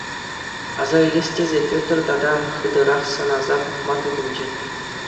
Аса илес тесе, Петр тата хытӑрах сӑнаса пӑхма тытӑнчӗ.